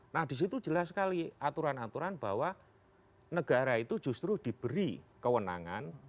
nah disitu jelas sekali aturan aturan bahwa negara itu justru diberi kewenangan